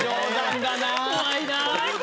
怖いな。